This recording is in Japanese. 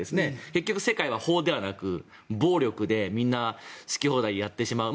結局、世界は法ではなく暴力でみんな好き放題やってしまう。